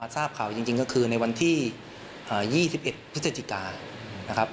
ทราบข่าวจริงในวันที่๒๑พฤศจิกา